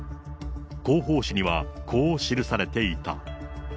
広報誌にはこう記されていた。